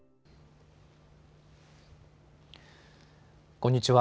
こんにちは。